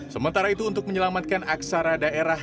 sementara itu untuk menyelamatkan aksara daerah